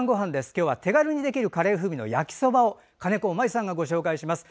今日は手軽にできるカレー風味の焼きそばを金子麻衣さんがご紹介します。